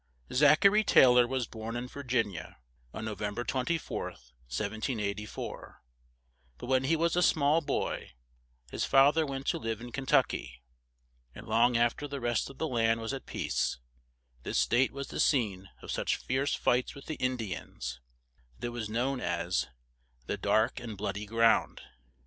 Zach a ry Tay lor was born in Vir gin i a, on No vem ber 24th, 1784; but when he was a small boy his fa ther went to live in Ken tuck y; and long af ter the rest of the land was at peace this state was the scene of such fierce fights with the In di ans that it was known as "The dark and blood y ground."